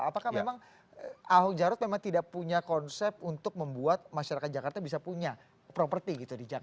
apakah memang ahok jarot memang tidak punya konsep untuk membuat masyarakat jakarta bisa punya properti gitu di jakarta